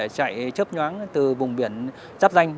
chạy chấp nhoáng từ vùng biển giáp danh